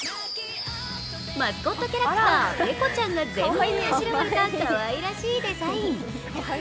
マスコットキャラクター・ペコちゃんが全面にあしらわれたかわいらしいデザイン。